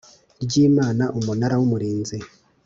ry Imana Umunara w Umurinzi